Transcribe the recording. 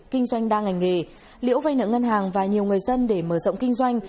kinh doanh đa ngành nghề liễu vay nợ ngân hàng và nhiều người dân để mở rộng kinh doanh